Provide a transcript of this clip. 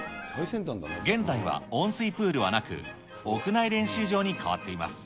現在は温水プールはなく、屋内練習場に変わっています。